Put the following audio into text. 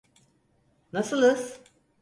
Nasılız?